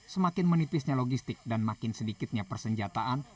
semakin menipisnya logistik dan makin sedikitnya persenjataan